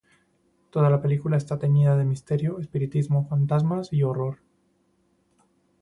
Toda la película está teñida de misterio, espiritismo, fantasmas y horror.